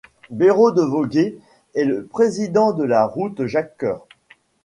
Béraud de Vogüé est le président de la route Jacques-Cœur.